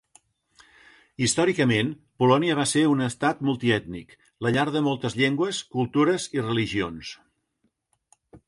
Històricament, Polònia va ser un estat multiètnic, la llar de moltes llengües, cultures i religions.